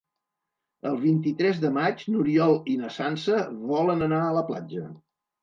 El vint-i-tres de maig n'Oriol i na Sança volen anar a la platja.